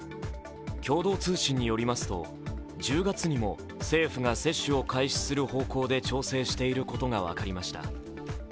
共同通信によりますと１０月にも政府が接種を開始する方向で調整していることが分かりました。